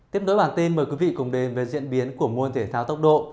tiếp tối bản tin mời quý vị cùng đến với diễn biến của nguồn thể thao tốc độ